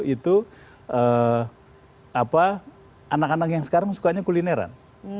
itu anak anak yang sekarang sukanya kulineran